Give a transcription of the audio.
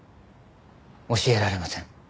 教えられません。